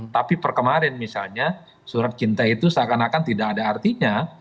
tapi per kemarin misalnya surat cinta itu seakan akan tidak ada artinya